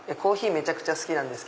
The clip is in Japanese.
めちゃくちゃ好きなんです。